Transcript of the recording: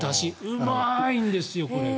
うまいんですよ、これが。